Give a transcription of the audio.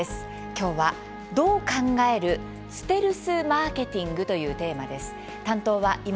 今日は「どう考える？ステルスマーケティング」というテーマです。